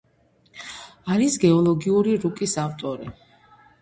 არის გეოლოგიური რუკის ავტორი.